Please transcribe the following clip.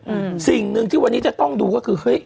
อืมสิ่งหนึ่งที่วันนี้จะต้องดูก็คือเฮ้ย